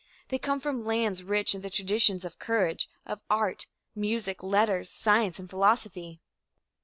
They come from lands rich in the traditions of courage, of art, music, letters, science and philosophy.